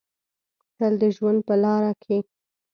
تل د ژوند په لاره کې